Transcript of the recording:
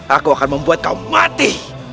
aku akan membuat kau mati